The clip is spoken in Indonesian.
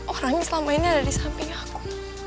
orang yang selama ini ada di samping aku